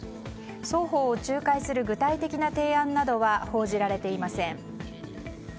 双方を仲介する具体的な提案などは報じられていません。